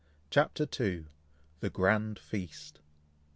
CHAPTER II. THE GRAND FEAST.